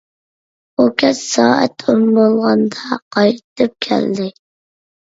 ئۇ كەچ سائەت ئون بولغاندا قايتىپ كەلدى.